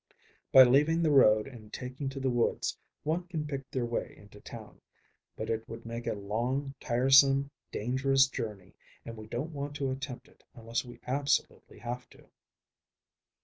By leaving the road and taking to the woods one can pick their way into town, but it would make a long, tiresome, dangerous journey, and we don't want to attempt it unless we absolutely have to."